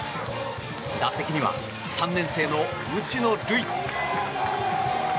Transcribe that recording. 打席には３年生の打野琉生。